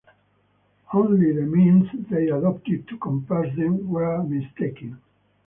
Only the means they adopted to compass them were mistaken.